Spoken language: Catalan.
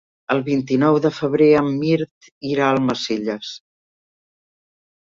El vint-i-nou de febrer en Mirt irà a Almacelles.